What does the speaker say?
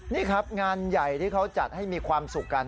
นี่ครับงานใหญ่ที่เขาจัดให้มีความสุขกัน